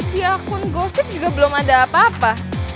di akun gosip juga belum ada apa apa